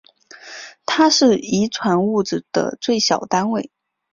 它是遗传物质的最小单位。